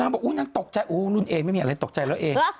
นางบอกอู้ยนางตกใจอู้ยนู่นเอไม่มีอะไรตกใจแล้วเอ